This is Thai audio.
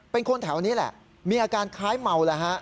เป็นคนแถวนี้แหละมีอาการคล้ายเมาแล้วฮะ